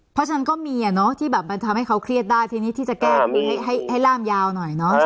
เพราะฉะนั้นก็มีที่แบบมันทำให้เขาเครียดได้ทีนี้ที่จะแก้คือให้ร่ามยาวหน่อยเนาะ